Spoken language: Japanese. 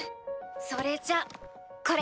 それじゃこれ。